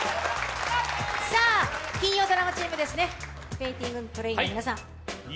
金曜ドラマチームですね、「ペンディングトレイン」の皆さん。